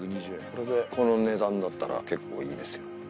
これでこの値段だったら結構いいですよ。